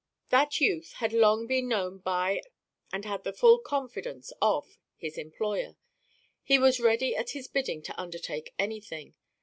That youth had long been known by and had the full confidence of his employer. He was ready at his bidding to undertake anything.